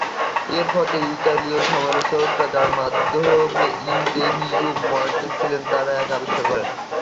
এর ফলে ইতালীয় সমালোচকরা, যার মধ্যে ইউজেনিও মন্টালেও ছিলেন, তারা এটা আবিষ্কার করেন।